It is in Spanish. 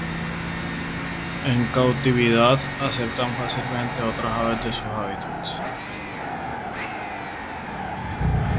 En cautividad aceptan fácilmente a otras aves en sus hábitats.